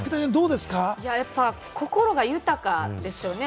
心が豊かですよね。